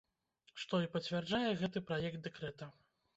Што і пацвярджае гэты праект дэкрэта.